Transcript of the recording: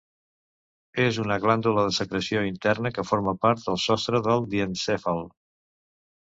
És una glàndula de secreció interna que forma part del sostre del diencèfal.